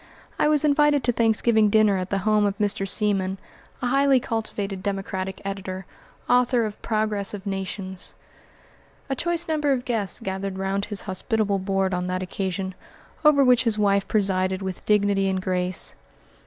I was invited to Thanksgiving dinner at the home of Mr. Seaman, a highly cultivated Democratic editor, author of "Progress of Nations." A choice number of guests gathered round his hospitable board on that occasion, over which his wife presided with dignity and grace.